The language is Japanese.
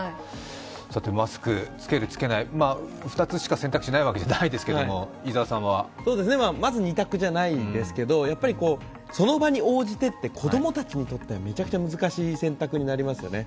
マスク着ける着けない、２つしか選択肢がないわけじゃないですけれども、まず二択じゃないですけど、その場に応じてって子供たちにとっては、めちゃくちゃ難しい選択になりますよね。